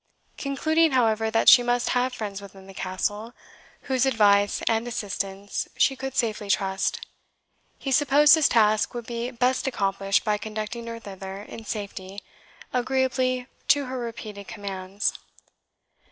Concluding, however, that she must have friends within the castle, whose advice and assistance she could safely trust, he supposed his task would be best accomplished by conducting her thither in safety, agreeably to her repeated commands.